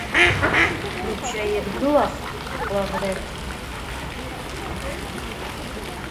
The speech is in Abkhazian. Ныбжьаиргылахт Лаврент.